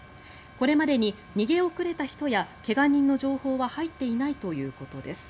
これまでに逃げ遅れた人や怪我人の情報は入っていないということです。